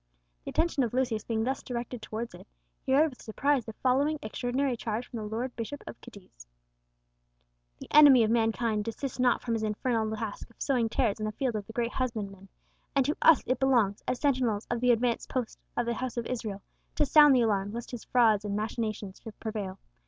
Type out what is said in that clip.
The attention of Lucius being thus directed towards it, he read with surprise the following extraordinary charge from the Lord Bishop of Cadiz: "The Enemy of mankind desists not from his infernal task of sowing tares in the field of the Great Husbandman, and to us it belongs, as sentinels of the advanced post of the house of Israel, to sound the alarm, lest his frauds and machinations should prevail.